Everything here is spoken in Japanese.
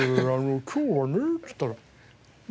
今日はねえって言ったら。